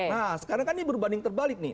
nah sekarang kan ini berbanding terbalik nih